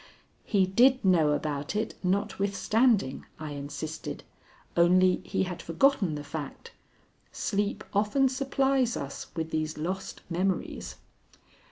"He did know about it, notwithstanding," I insisted. "Only he had forgotten the fact. Sleep often supplies us with these lost memories."